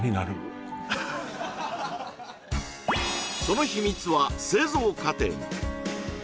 その秘密は製造過程に！